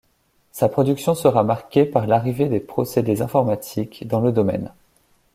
Sa production sera marquée par l’arrivée des procédés informatiques dans le domaine.